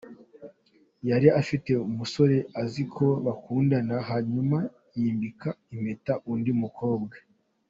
Yari afite umusore azi ko bakundana hanyuma yambika impeta undi mukobwa.